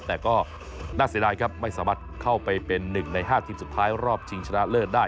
แต่ก็น่าเสียดายครับไม่สามารถเข้าไปเป็น๑ใน๕ทีมสุดท้ายรอบชิงชนะเลิศได้